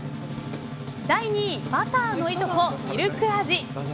第２位バターのいとこミルク味。